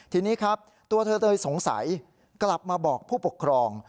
ทีนี้ครับตัวเธอเลยสงสัยกลับมาบอกผู้ปกครอง